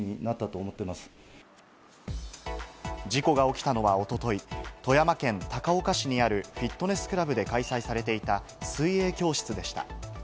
事故が起きたのは一昨日、富山県高岡市にあるフィットネスクラブで開催されていた水泳教室でした。